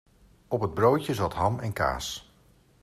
Op het broodje zat ham en kaas.